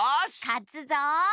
かつぞ。